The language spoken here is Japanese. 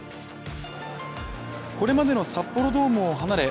これまでの札幌ドームを離れ